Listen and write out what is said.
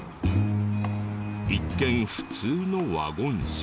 一見普通のワゴン車。